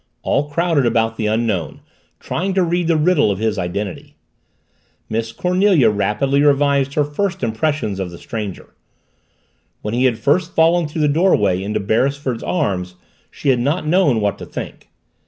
All crowded about the Unknown, trying to read the riddle of his identity. Miss Cornelia rapidly revised her first impressions of the stranger. When he had first fallen through the doorway into Beresford's arms she had not known what to think.